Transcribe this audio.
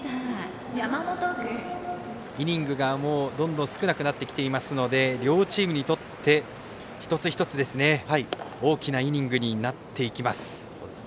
イニングが、どんどん少なくなってきていますので両チームにとって一つ一つ大きなイニングになっていきます。